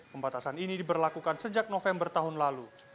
pembatasan ini diberlakukan sejak november tahun lalu